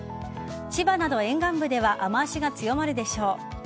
千葉など沿岸部では雨脚が強まるでしょう。